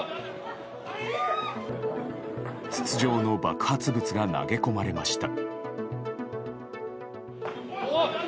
筒状の爆発物が投げ込まれました。